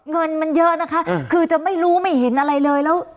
เงินมันเยอะนะคะคือจะไม่รู้ไม่เห็นอะไรเลยแล้ว